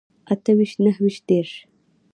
اته ويشت نهه ويشت دېرش